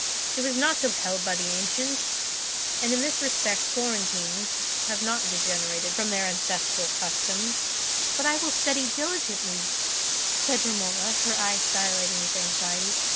It was not so held by the ancients, and in this respect Florentines have not degenerated from their ancestral customs." "But I will study diligently," said Romola, her eyes dilating with anxiety.